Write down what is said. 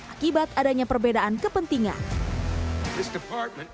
akibat adanya perbedaan kepentingan